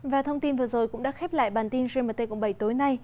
và thông tin vừa rồi cũng đã khép lại bản tin gmt cộng bảy tối nay